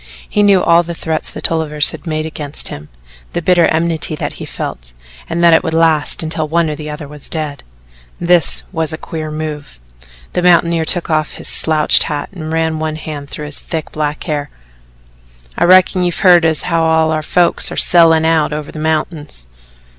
He knew all the threats the Tolliver had made against him, the bitter enmity that he felt, and that it would last until one or the other was dead. This was a queer move. The mountaineer took off his slouched hat and ran one hand through his thick black hair. "I reckon you've heard as how all our folks air sellin' out over the mountains."